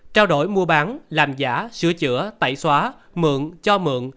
trao đổi mua bán làm giả sửa chữa tẩy xóa mượn